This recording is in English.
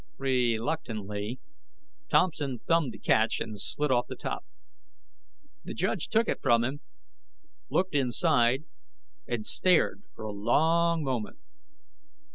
Reluctantly, Thompson thumbed the catch and slid off the top. The judge took it from him, looked inside, and stared for a long moment.